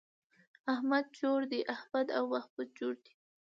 احمد جوړ دی → احمد او محمود جوړ دي